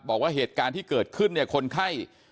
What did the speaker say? บอกว่าเหตุการณ์ที่เกิดขึ้นเนี่ยคนไข้